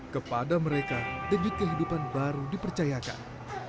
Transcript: kepada mereka denyut kehidupan baru dipercayakan